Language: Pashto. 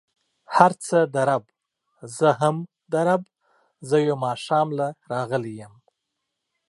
هر څه د رب، زه هم د رب، زه يو ماښام له راغلی يم.